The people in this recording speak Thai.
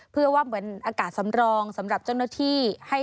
เพื่อว่าเหมือนอากาศสำรองสำหรับเจ้าหน้าที่ให้ใช้หายใจ